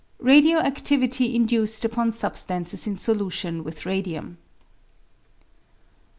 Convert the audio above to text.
Radio activity Induced upon Substances in Solution with Radium.